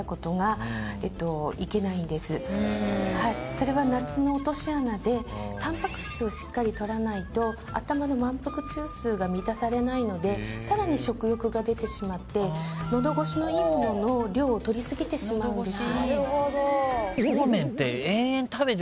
それは夏の落とし穴でタンパク質をしっかり取らないと頭の満腹中枢が満たされないのでさらに食欲が出てしまって喉越しのいいものの量を取りすぎてしまうんです。